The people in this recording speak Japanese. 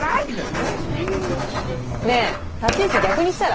ねっ！ねぇ立ち位置逆にしたら？